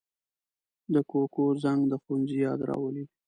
د کوکو زنګ د ښوونځي یاد راولي